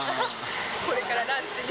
これからランチに。